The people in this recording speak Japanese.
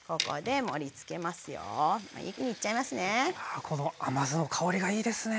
あこの甘酢の香りがいいですね。